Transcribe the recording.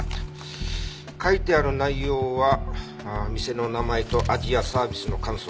書いてある内容は店の名前と味やサービスの感想。